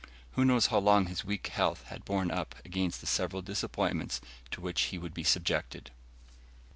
Who knows how long his weak health had borne up against the several disappointments to which he would be subjected?